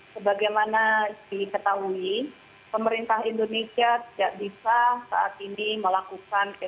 sebagaimana diketahui pemerintah indonesia tidak bisa saat ini melakukan